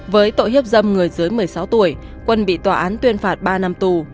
với tội hiếp dâm người dưới một mươi sáu tuổi quân bị tòa án tuyên phạt ba năm tù